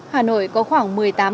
hà nội có khoảng một mươi tám